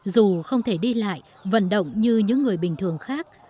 dù không thể đi lại vận động như những người bình thường khác